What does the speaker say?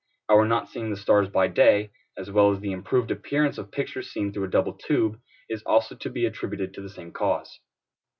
Our not seeing the stars by day, as well as the improved appearance of pictures seen through a double tube, is also to be attributed to the same cause.